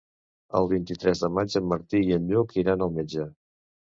El vint-i-tres de maig en Martí i en Lluc iran al metge.